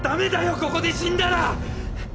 ここで死んだら！